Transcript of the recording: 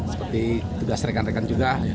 seperti tugas rekan rekan juga